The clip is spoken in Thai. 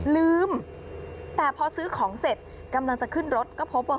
ลืมแต่พอซื้อของเสร็จกำลังจะขึ้นรถก็พบว่า